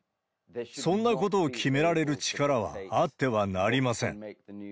そんなことを決められる力はあってはなりません。